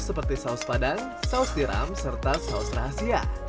seperti saus padang saus tiram serta saus rahasia